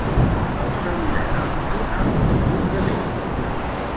El cediran al Girona l'estiu que ve.